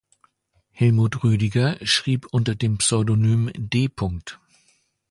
Helmut Rüdiger schrieb unter dem Pseudonym „D.